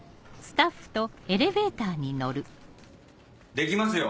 できますよ！